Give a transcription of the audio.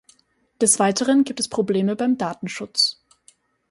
Des Weiteren gibt es Probleme beim Datenschutz.